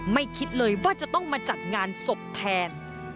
คิดเลยว่าจะต้องมาจัดงานศพแทน